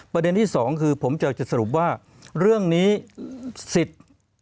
ประเด็นที่สองคือผมอยากจะสรุปว่าเรื่องนี้สิทธิ์